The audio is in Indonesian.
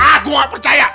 ah gua gak percaya